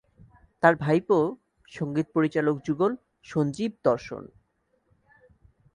তার ভাইপো সঙ্গীত পরিচালক যুগল সঞ্জীব-দর্শন।